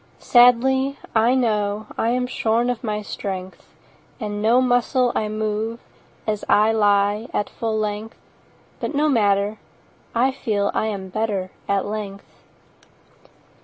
Sadly, I know I am shorn of my strength, And no muscle I move As I lie at full length: 10 But no matter—I feel I am better at length.